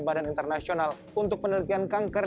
badan internasional untuk penelitian kanker